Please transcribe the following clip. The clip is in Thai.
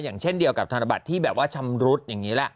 อย่างเช่นเดียวกับธนบัตรที่แบบว่าชำรุดอย่างนี้แหละ